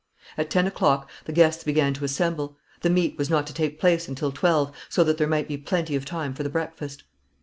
At ten o'clock the guests began to assemble; the meet was not to take place until twelve, so that there might be plenty of time for the breakfast.